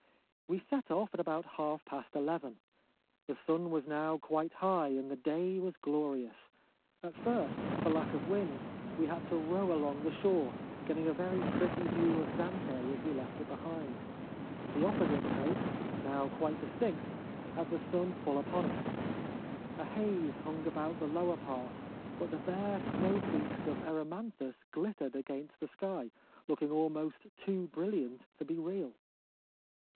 Wo set off at about half past eleven. The sun was now quite high, and the day was glorious. At first, for lack of wind, we had to row along the shore, getting a very pretty view of Zante as we left it behind. The opposite coast, now quite distinct, had the sun full upon it. A haze hung about the lower part, but the bare snow peaks of Erymanthus glittered against the sky, looking almost too brilliant to be real.